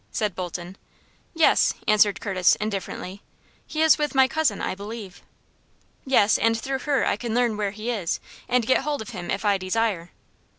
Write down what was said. said Bolton. "Yes," answered Curtis, indifferently. "He is with my cousin, I believe." "Yes; and through her I can learn where he is, and get hold of him if I desire."